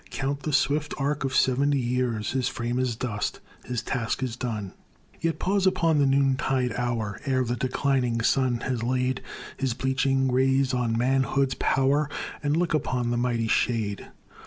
Count the swift arc of seventy years, His frame is dust; his task is done. Yet pause upon the noontide hour, Ere the declining sun has laid His bleaching rays on manhood's power, And look upon the mighty shade.